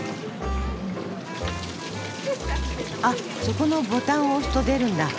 あっそこのボタンを押すと出るんだ。